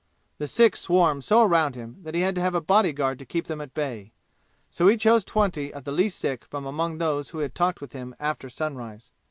The sick swarmed so around him that he had to have a body guard to keep them at bay; so he chose twenty of the least sick from among those who had talked with him after sunrise.